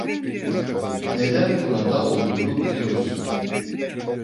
Neden burada olduğumu biliyorsun.